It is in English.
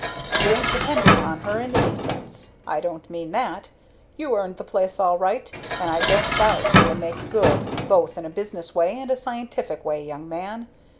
"You ain't dependent on her in any sense I don't mean that. You earned the place all right, and I don't doubt you'll make good, both in a business way and a scientific way, young man.